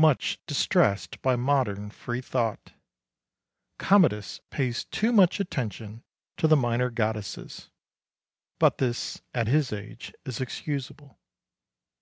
Much distressed by modern free thought. Commodus pays much too much attention to the minor goddesses, but this, at his age, is excusable.